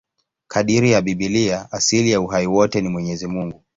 Kadiri ya Biblia, asili ya uhai wote ni Mwenyezi Mungu.